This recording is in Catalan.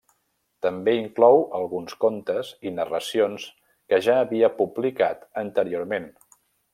També inclou alguns contes i narracions que ja havia publicat anteriorment.